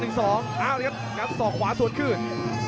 เอ้าแล้วกันครับซอกขวาสวดขึ้น